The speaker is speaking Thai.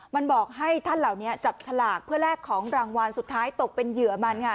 มันบอกให้ท่านเหล่านี้จับฉลากเพื่อแลกของรางวัลสุดท้ายตกเป็นเหยื่อมันค่ะ